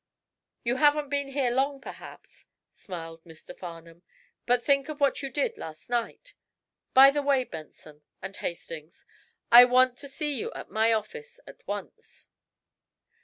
"You haven't been here long, perhaps," smiled Mr. Farnum. "But think of what you did last night. By the way, Benson, and Hastings, I want to see you at my office at once."